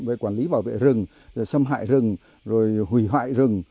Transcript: về quản lý bảo vệ rừng xâm hại rừng hủy hoại rừng